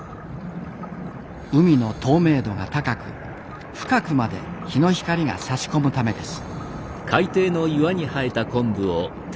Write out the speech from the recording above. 海の透明度が高く深くまで日の光がさし込むためです。